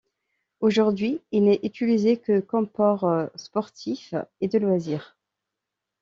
Aujourd'hui il n'est utilisé que comme port sportif et de loisir.